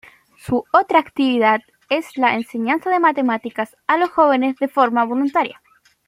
Su otra actividad es la enseñanza de matemáticas a los jóvenes de forma voluntaria.